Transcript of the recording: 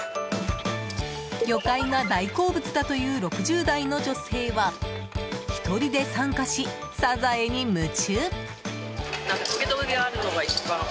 魚介が大好物だという６０代の女性は１人で参加し、サザエに夢中。